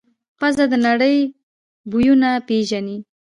پزه د نړۍ بویونه پېژني.